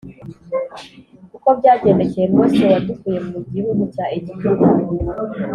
uko byagendekeye Mose wadukuye mu gihugu cya Egiputa